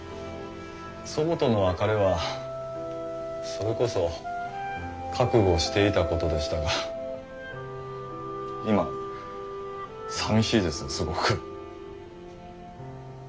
祖母との別れはそれこそ覚悟していたことでしたが今寂しいですすごく。